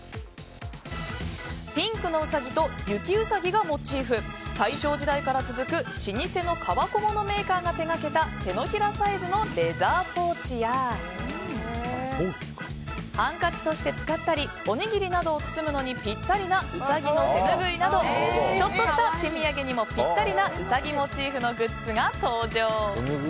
ピンクのウサギと雪ウサギがモチーフ大正時代から続く老舗の革小物メーカーが手掛けた手のひらサイズのレザーポーチやハンカチとして使ったりおにぎりなどを包むのにピッタリなウサギの手拭いなどちょっとした手土産にもピッタリなウサギモチーフのグッズが登場。